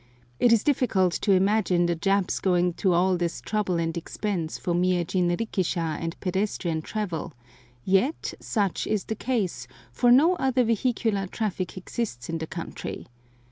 It is difficult to imagine the Japs going to all this trouble and expense for mere jinrikisha and pedestrian travel; yet such is the case, for no other vehicular traffic exists in the country.